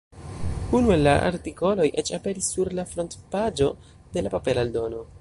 Unu el la artikoloj eĉ aperis sur la frontpaĝo de la papera eldono.